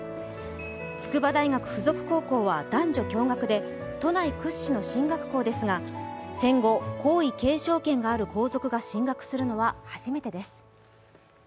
筑波大学附属高校は男女共学で都内屈指の進学校ですが戦後、皇位継承権がある皇族が進学するのは初めてです。